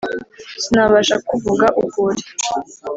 Sinabasha kukuvuga uko uri